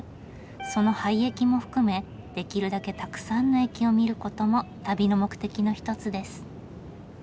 その廃駅も含めできるだけたくさんの駅を見ることも旅の目的の一つです。